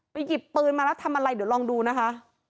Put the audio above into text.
หยิบปืนมาแล้วทำอะไรเดี๋ยวลองดูนะคะ